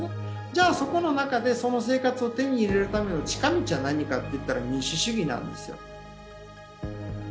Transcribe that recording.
じゃあそこの中でその生活を手に入れるための近道は何かといったら民主主義なんですよ。